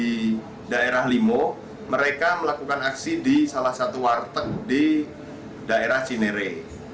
mereka juga melakukan aksi di daerah limo mereka melakukan aksi di salah satu warteg di daerah cinere